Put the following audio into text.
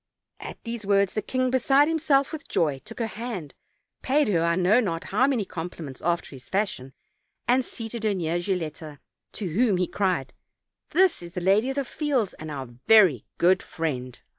At these words the king, beside himself with joy, took her hand, paid her I know not how many compliments after hia fashion, and seated her near Gilletta, to whom OLD, OLD PAIItr he cried: "This is the lady of the fields, and our very good friend."